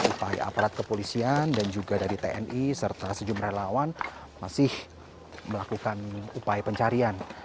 upaya aparat kepolisian dan juga dari tni serta sejumlah relawan masih melakukan upaya pencarian